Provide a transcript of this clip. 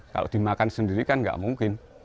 kalau dimakan sendiri kan nggak mungkin